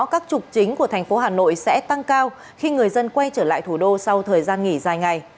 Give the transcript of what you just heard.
các trục chính của thành phố hà nội sẽ tăng cao khi người dân quay trở lại thủ đô sau thời gian nghỉ dài ngày